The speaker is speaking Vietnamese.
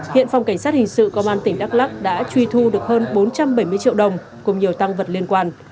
hiện phòng cảnh sát hình sự công an tỉnh đắk lắc đã truy thu được hơn bốn trăm bảy mươi triệu đồng cùng nhiều tăng vật liên quan